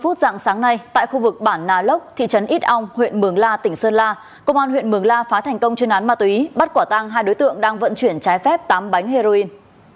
dạng sáng nay tại khu vực bản nà lốc thị trấn ít ong huyện mường la tỉnh sơn la công an huyện mường la phá thành công chuyên án ma túy bắt quả tăng hai đối tượng đang vận chuyển trái phép tám bánh heroin